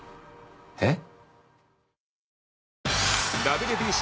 えっ？